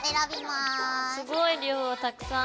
すごい量たくさん！